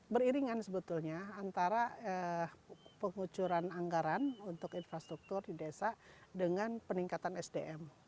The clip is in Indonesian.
beriringan sebetulnya antara pengucuran anggaran untuk infrastruktur di desa dengan peningkatan sdm